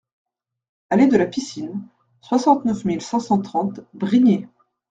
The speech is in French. Allée de la Piscine, soixante-neuf mille cinq cent trente Brignais